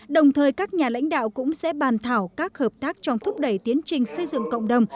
đồng thời các nhà lãnh đạo cũng sẽ bàn thảo các hợp tác trong thúc đẩy tiến trình xây dựng cộng đồng